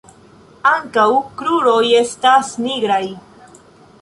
Ankaŭ kruroj estas nigraj.